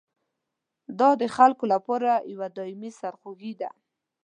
دا د خلکو لپاره یوه دایمي سرخوږي ده.